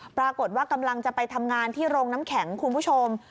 ปรากฏว่ากำลังจะไปทำงานที่โรงน้ำแข็งคุณผู้ชม